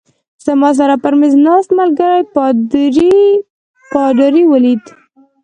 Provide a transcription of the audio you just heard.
زما سره پر مېز ناست ملګري پادري ولید.